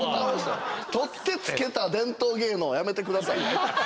取って付けた伝統芸能はやめて下さいね。